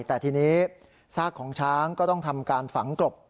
แต่ทีนี้ซากของช้างก็ต้องทำการฝังกลบ